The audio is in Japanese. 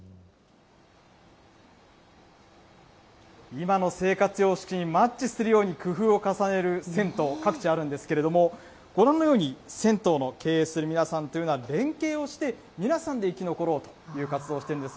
今の生活様式にマッチするように工夫を重ねる銭湯、各地あるんですけれども、ご覧のように、銭湯の経営する皆さんというのは、連携をして、皆さんで生き残ろうという活動をしているんです。